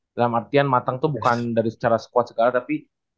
dalam artian matang itu bukan dari secara squad segala tapi